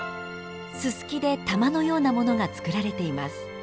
ススキで玉のようなものが作られています。